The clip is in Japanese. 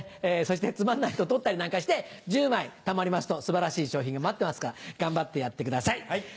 そしてつまんないと取ったりなんかして１０枚たまりますと素晴らしい賞品が待ってますから頑張ってやってください！